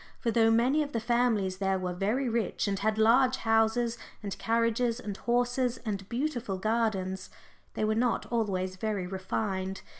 For though many of the families there were very rich, and had large houses and carriages and horses and beautiful gardens, they were not always very refined.